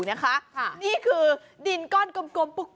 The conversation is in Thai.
นี่คือดินก้อนกลม